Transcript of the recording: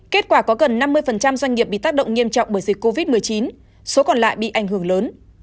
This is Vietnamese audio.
kết quả có gần năm mươi doanh nghiệp bị tác động nghiêm trọng bởi dịch covid một mươi chín số còn lại bị ảnh hưởng lớn